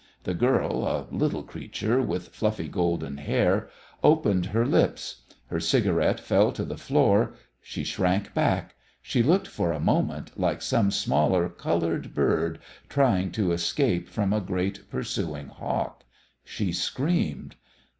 The girl, a little creature, with fluffy golden hair, opened her lips; her cigarette fell to the floor; she shrank back; she looked for a moment like some smaller, coloured bird trying to escape from a great pursuing hawk; she screamed.